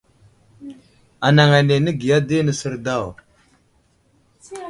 Anaŋ ane nəgiya di nəsər daw.